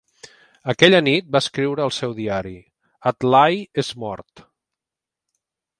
Aquella nit va escriure al seu diari, Adlai és mort.